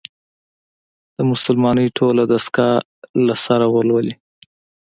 د «مسلمانۍ ټوله دستګاه» له سره ولولي.